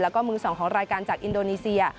แล้วก็มือ๒ของรายการจากอินโดนีเซีย